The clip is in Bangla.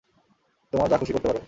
তোমার যা খুশি করতে পারো।